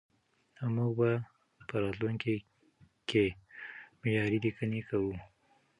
موږ به په راتلونکي کې معياري ليکنې کوو.